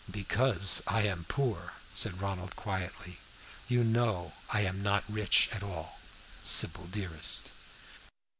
"Because I am poor," said Ronald, quietly. "You know I am not rich at all, Sybil dearest.